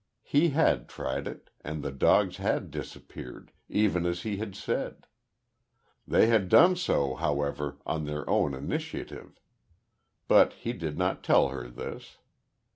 He had tried it, and the dogs had disappeared, even as he had said. They had done so, however, on their own initiative. But he did not tell her this.